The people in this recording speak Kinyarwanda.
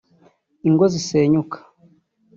Ingo zisenyuka